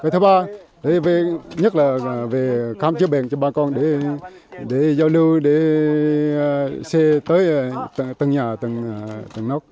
thứ ba nhất là về khám chữa bệnh cho bà con để giao lưu để xe tới từng nhà từng tầng nốc